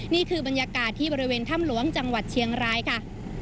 นี่คือบรรยากาศที่บริเวณถ้ำหลวงจังหวัดเชียงรายค่ะ